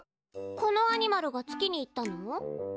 このアニマルが月に行ったの？